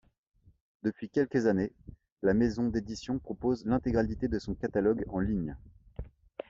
Depuis quelques années, la maison d'édition propose l'intégralité de son catalogue en ligne.